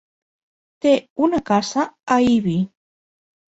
Té una casa a Ibi.